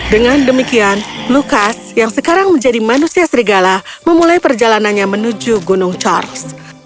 dengan demikian lukas yang sekarang menjadi manusia serigala memulai perjalanannya menuju gunung charles